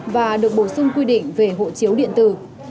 và được bổ sung quy định về hộ chiếu điện tử